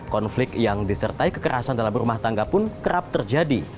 konflik yang disertai kekerasan dalam rumah tangga pun kerap terjadi